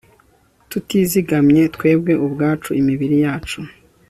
tutizigamye twebwe ubwacu imibiri yacu